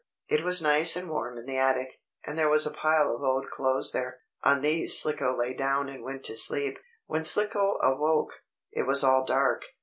It was nice and warm in the attic, and there was a pile of old clothes there. On these Slicko lay down and went to sleep. When Slicko awoke, it was all dark.